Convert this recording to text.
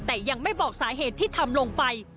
แต่ยังไม่บอกสาเหตุที่ทำลงไป